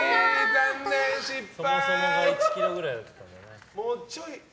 残念、失敗！